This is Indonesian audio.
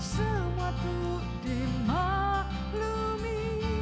semua itu dimaklumi